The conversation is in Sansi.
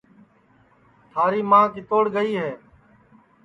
تھاری ماں کیتوڑ گئی ہے